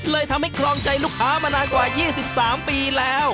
ทำให้ครองใจลูกค้ามานานกว่า๒๓ปีแล้ว